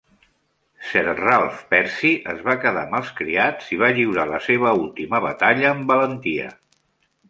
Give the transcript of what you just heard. Sir Ralph Percy es va quedar amb els criats i va lliurar la seva última batalla amb valentia.